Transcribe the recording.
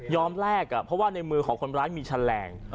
แรกเพราะว่าในมือของคนร้ายมีแฉลง